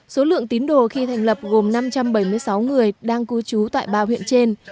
số lượng tín đồ khi thành lập gồm năm trăm bảy mươi sáu người đang cư trú tại ba huyện trên